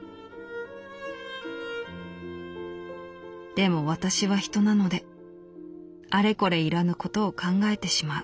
「でも私は人なのであれこれ要らぬことを考えてしまう。